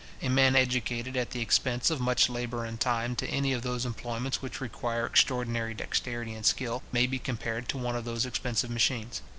A man educated at the expense of much labour and time to any of those employments which require extraordinary dexterity and skill, may be compared to one of those expensive machines.